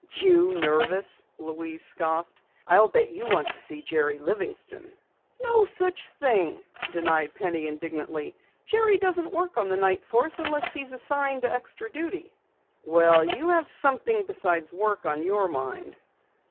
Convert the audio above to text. "You, nervous!" Louise scoffed. "I'll bet you want to see Jerry Livingston!" "No such thing," denied Penny indignantly. "Jerry doesn't work on the night force unless he's assigned to extra duty." "Well, you have something besides work on your mind."